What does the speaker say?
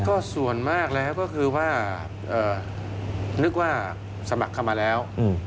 ก็ส่วนมากแล้วก็คือว่านึกว่าสมัครเข้ามาแล้ว